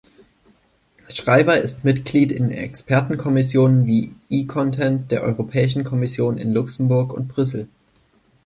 Schreiber ist Mitglied in Expertenkommissionen wie "E-Content" der Europäischen Kommission in Luxemburg und Brüssel.